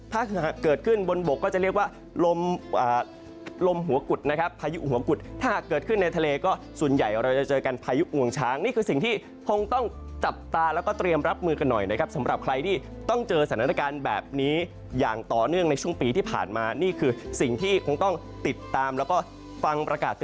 ถ้าเกิดขึ้นบนบกก็จะเรียกว่าลมลมหัวกุดนะครับพายุหัวกุฎถ้าเกิดขึ้นในทะเลก็ส่วนใหญ่เราจะเจอกันพายุงวงช้างนี่คือสิ่งที่คงต้องจับตาแล้วก็เตรียมรับมือกันหน่อยนะครับสำหรับใครที่ต้องเจอสถานการณ์แบบนี้อย่างต่อเนื่องในช่วงปีที่ผ่านมานี่คือสิ่งที่คงต้องติดตามแล้วก็ฟังประกาศ